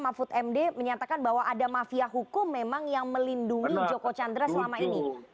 mahfud md menyatakan bahwa ada mafia hukum memang yang melindungi joko chandra selama ini